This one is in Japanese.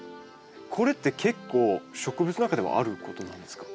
これって結構植物の中ではあることなんですか？